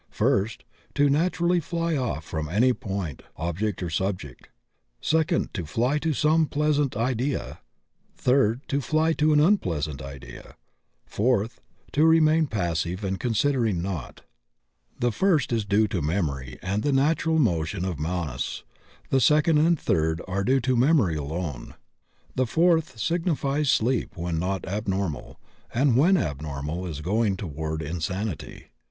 First, to naturally fly off from any point, object, or subject; second, to fly to some pleasant idea; third, to fly to an unpleasant idea; fourth, to remaiii passive and considering naught. The first is due to memory and the natural motion of Manas; the second and third are due to genius: the higher divine self 57 memory alone; the fourth signifies sleep when not abnormal, and when abnormal is going toward in sanity.